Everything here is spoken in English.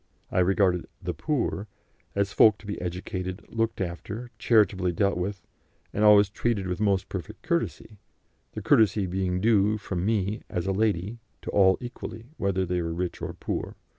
I regarded "the poor" as folk to be educated, looked after, charitably dealt with, and always treated with most perfect courtesy, the courtesy being due from me, as a lady, to all equally, whether they were rich or poor.